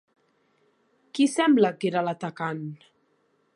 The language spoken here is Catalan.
Qui sembla que era l'atacant?